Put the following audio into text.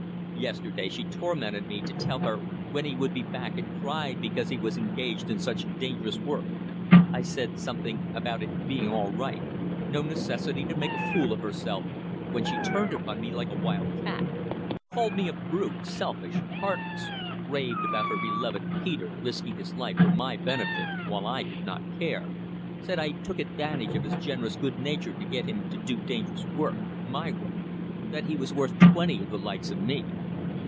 Yesterday she tormented me to tell her when he would be back and cried because he was engaged in such dangerous work. I said something about it being all right no necessity to make a fool of herself, when she turned upon me like a wild cat. Called me a brute, selfish, heartless; raved about her beloved Peter risking his life for my benefit, while I did not care. Said I took advantage of his generous good nature to get him to do dangerous work my work. That he was worth twenty of the likes of me.